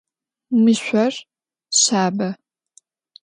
Mı şsor şsabe.